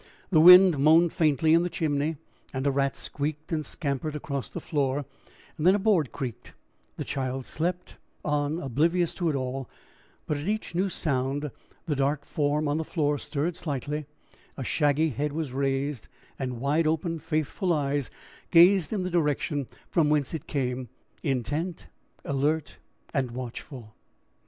The wind moaned faintly in the chimney and a rat squeaked and scampered across the floor; then a board creaked, the child slept on oblivious to it all, but at each new sound the dark form on the floor stirred slightly, a shaggy head was raised, and wide open, faithful eyes gazed in the direction from whence it came, intent, alert, and watchful.